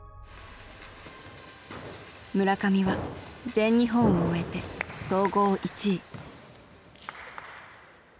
村上は全日本を終えて総合１位。